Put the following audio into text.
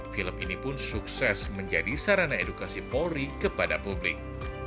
film ini pun sukses menjadi sarana edukasi polri kepada publik